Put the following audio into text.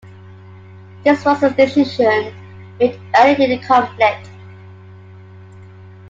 This was a decision made early in the conflict.